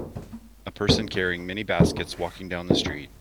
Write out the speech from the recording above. A person carrying many baskets walking down the street.